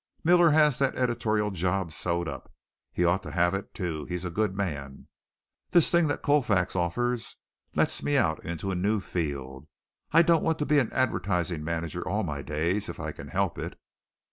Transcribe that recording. Miller has that editorial job sewed up. He ought to have it, too, he's a good man. This thing that Colfax offers lets me out into a new field. I don't want to be an advertising manager all my days if I can help it!"